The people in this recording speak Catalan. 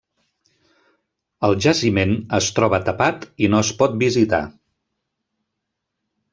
El jaciment es troba tapat i no es pot visitar.